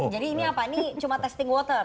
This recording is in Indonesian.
jadi ini apa ini cuma testing water